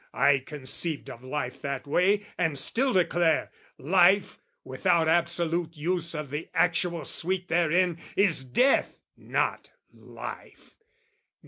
I conceived of life that way, And still declare life, without absolute use Of the actual sweet therein, is death, not life.